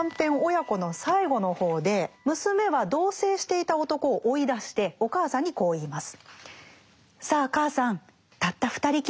「母娘」の最後の方で娘は同棲していた男を追い出してお母さんにこう言います。